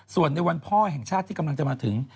ส่วนในวันพ่อแห่งชาติที่กำลังจะมาถึง